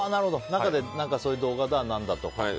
中でそういう動画だとか。